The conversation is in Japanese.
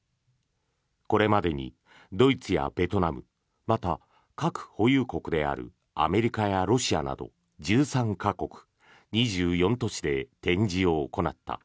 これまでにドイツやベトナムまた、核保有国であるアメリカやロシアなど１３か国２４都市で展示を行った。